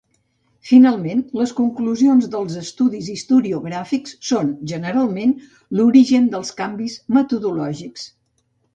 Finalment, les conclusions dels estudis historiogràfics són, generalment, l'origen dels canvis metodològics.